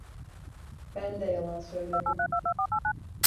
Ben de yalan söyledim.